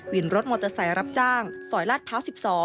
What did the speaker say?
รถมอเตอร์ไซค์รับจ้างซอยลาดพร้าว๑๒